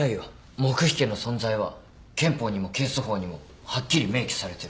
黙秘権の存在は憲法にも刑訴法にもはっきり明記されてる。